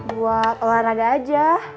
buat olahraga aja